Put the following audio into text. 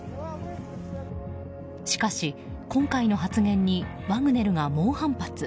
しかし、今回の発言にワグネルが猛反発。